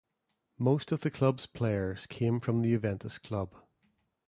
Most of the club's players came from the Juventus club.